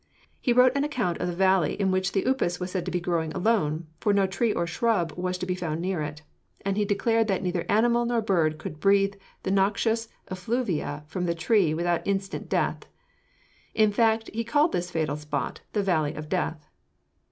He wrote an account of the valley in which the upas was said to be growing alone, for no tree nor shrub was to be found near it. And he declared that neither animal nor bird could breathe the noxious effluvia from the tree without instant death. In fact, he called this fatal spot 'The Valley of Death.'"